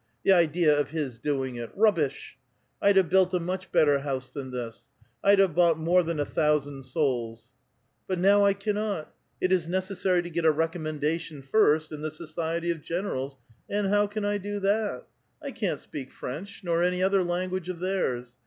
the idea of his doing it — rubbish ! I'd have built a much bettiT house than this. l*d have bought more than a thousand souls [^dtishi^ serfs] . But now I cannot. It is necessary to get a recommendation first in the society of generals ; and how can I do that? I can't 6i)eak French, nor any other language of theirs.